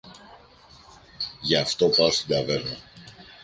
Γι' αυτό πάω στην ταβέρνα.